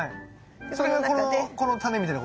それがこのタネみたいな？